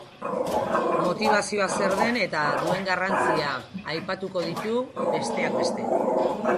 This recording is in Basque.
Motibazioa zer den eta duen garrantzia aipatuko ditu besteak beste.